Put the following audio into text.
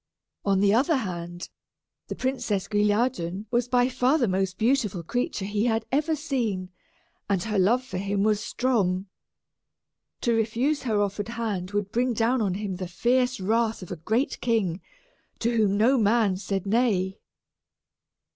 On the other hand, the Princess Guilliadun was by far the most beautiful creature he had ever seen, and her love for him was strong. To refuse her offered hand would bring down on him the fierce wrath of a great king, to whom no man said nay.